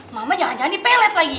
mama jangan jangan dipelet lagi